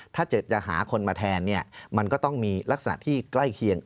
ถ้าจะหาคนมาแทนเนี่ยมันก็ต้องมีลักษณะที่ใกล้เคียง